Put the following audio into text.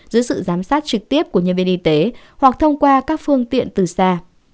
dưới sự giám sát trực tiếp của nhân viên y tế hoặc thông qua các phương tiện từ xa